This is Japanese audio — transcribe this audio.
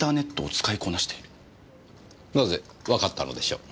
なぜわかったのでしょう。